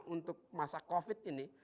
untuk masa covid ini